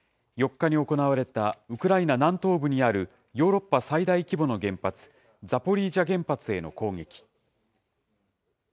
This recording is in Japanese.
４日に行われたウクライナ南東部にあるヨーロッパ最大規模の原発、ザポリージャ原発への攻撃。